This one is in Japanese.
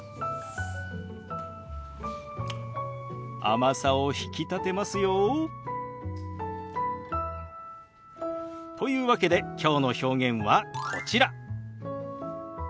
甘さを引き立てますよ。というわけできょうの表現はこちら。